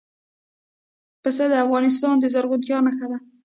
پسه د افغانستان د زرغونتیا نښه ده.